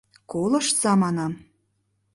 — Колыштса, манам!